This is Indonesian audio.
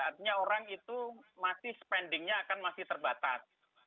artinya orang itu masih spendingnya akan masih terbatas